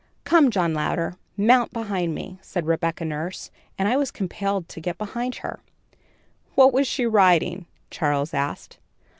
"'Come, John Louder, mount behind me,' said Rebecca Nurse, and I was compelled to get behind her." "What was she riding?" Charles asked.